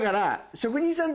職人さん。